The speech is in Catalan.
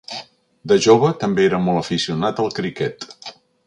De jove, també era molt aficionat al criquet.